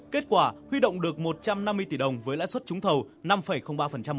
kết quả huy động được một trăm năm mươi tỷ đồng với lãi suất trúng thầu năm ba một